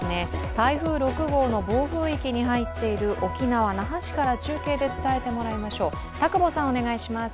台風６号の暴風域に入っている沖縄・那覇市から中継で伝えてもらいましょう。